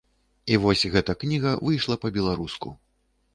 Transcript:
І вось гэта кніга выйшла па-беларуску.